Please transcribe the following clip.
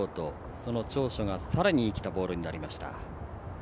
その長所がさらに生きたボールになりました。